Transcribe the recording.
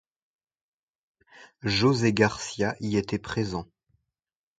José Garcia y était présent.